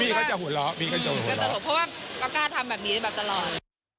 พี่เขาจะหัวเราเพราะว่าก็ทำแบบนี้ตลอด